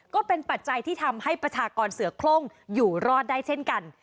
ปัจจัยที่ทำให้ประชากรเสือโครงอยู่รอดได้เช่นกัน